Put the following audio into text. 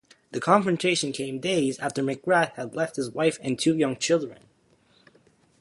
The confrontation came days after McGrath had left his wife and two young children.